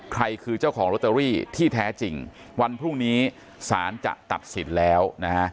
ใครคือเจ้าของลอตเตอรี่ที่แท้จริงวันพรุ่งนี้สารจะตัดสินแล้วนะฮะ